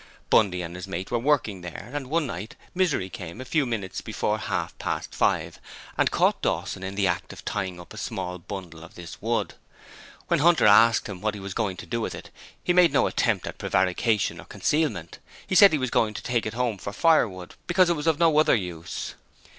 Bundy and his mate were working there, and one night, Misery came a few minutes before half past five and caught Dawson in the act of tying up a small bundle of this wood. When Hunter asked him what he was going to do with it he made no attempt at prevarication or concealment: he said he was going to take it home for fire wood, because it was of no other use.